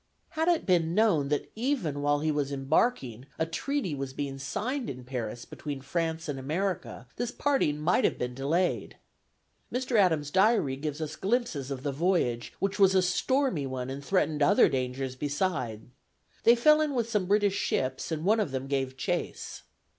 Had it been known that even while he was embarking a treaty was being signed in Paris between France and America, this parting might have been delayed. Mr. Adams' diary gives us glimpses of the voyage, which was a stormy one and threatened other dangers beside. They fell in with some British ships, and one of them gave chase.